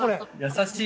優しい。